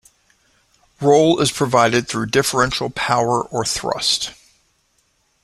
Roll is provided through differential power or thrust.